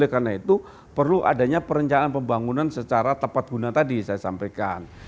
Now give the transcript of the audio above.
karena itu perlu adanya perencanaan pembangunan secara tepat guna tadi saya sampaikan